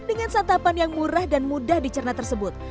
dengan santapan yang murah dan mudah di cerna tersebut